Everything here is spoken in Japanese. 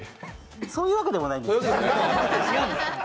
そういうわけでもないんです。